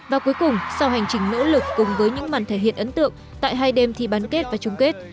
và cuối cùng sau hành trình nỗ lực cùng với những màn thể hiện ấn tượng tại hai đêm thi bán kết và chung kết